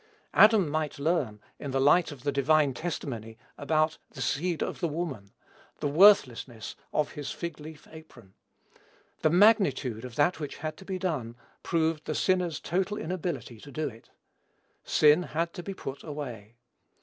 Adam might learn, in the light of the divine testimony about "the seed of the woman," the worthlessness of his fig leaf apron. The magnitude of that which had to be done, proved the sinner's total inability to do it. Sin had to be put away.